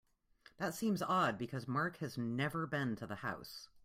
That seems odd because Mark has never been to the house.